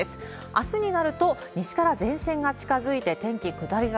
あすになると西から前線が近づいて、天気下り坂。